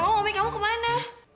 emang omikamu kemana